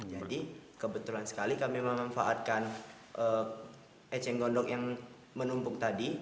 kebetulan sekali kami memanfaatkan eceng gondok yang menumpuk tadi